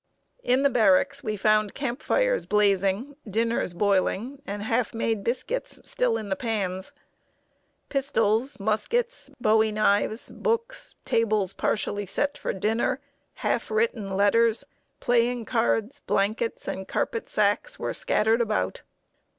In the barracks we found camp fires blazing, dinners boiling, and half made biscuits still in the pans. Pistols, muskets, bowie knives, books, tables partially set for dinner, half written letters, playing cards, blankets, and carpet sacks were scattered about.